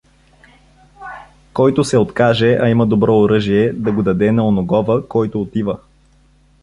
Който се откаже, а има добро оръжие, да го даде на оногова, който отива.